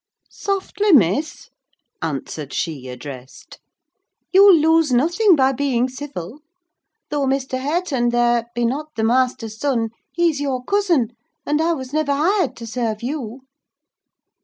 "Softly, Miss," answered the addressed. "You'll lose nothing by being civil. Though Mr. Hareton, there, be not the master's son, he's your cousin: and I was never hired to serve you."